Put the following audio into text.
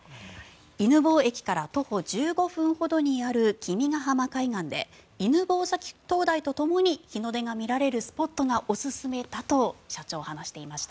犬吠駅から徒歩１５分ほどにある君ヶ浜海岸で犬吠埼灯台とともに日の出が見られるスポットがおすすめだと社長は話していました。